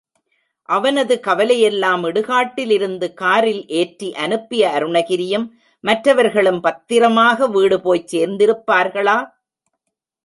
அவனது கவலையெல்லாம் இடுகாட்டிலிருந்து காரில் ஏற்றி அனுப்பிய அருணகிரியும், மற்றவர்களும் பத்திரமாக வீடு போய்ச் சேர்ந்திருப்பார்களா?